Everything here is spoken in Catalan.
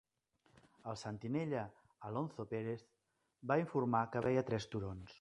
El sentinella, Alonzo Perez, va informar que veia tres turons.